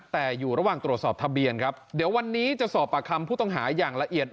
แต่อยู่ระหว่างตรวจสอบทะเบียนครับเดี๋ยววันนี้จะสอบปากคำผู้ต้องหาอย่างละเอียด